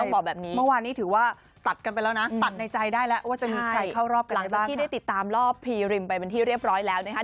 เมื่อวานนี้ถือว่าตัดกันไปแล้วนะตัดในใจได้แล้วว่าจะมีใครเข้ารอบกันในบ้าน